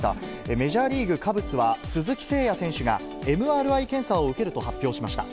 メジャーリーグ・カブスは、鈴木誠也選手が、ＭＲＩ検査を受けると発表しました。